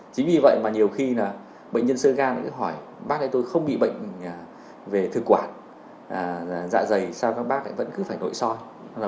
chính vì vậy mà nhiều khi bệnh nhân sơ gan cứ hỏi bác ơi tôi không bị bệnh về thực quản dạ dày sao các bác vẫn cứ phải nội soi